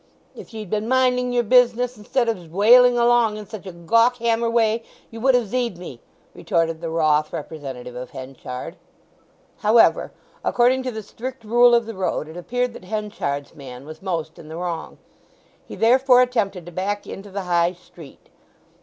"If ye'd been minding your business instead of zwailing along in such a gawk hammer way, you would have zeed me!" retorted the wroth representative of Henchard. However, according to the strict rule of the road it appeared that Henchard's man was most in the wrong, he therefore attempted to back into the High Street.